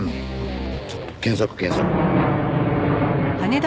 ちょっと検索検索。